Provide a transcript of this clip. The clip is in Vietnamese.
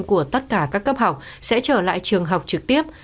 trường đại học của tất cả các cấp học sẽ trở lại trường học trực tiếp